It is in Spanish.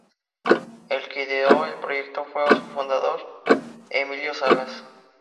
El que ideó el proyecto fue su fundador D. Emilio Salas.